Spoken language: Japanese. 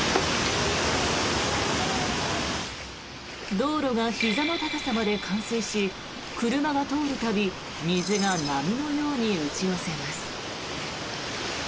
道路がひざの高さまで冠水し車が通る度水が波のように打ち寄せます。